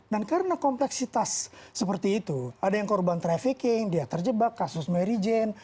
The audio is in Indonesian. dan karena kompleksitas seperti itu ada yang korban trafficking dia terjebak kasus mary jane